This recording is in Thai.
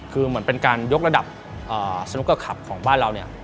คือเหมือนเป็นการยกระดับสนุกเกอร์คลับของบ้านเราเนี่ย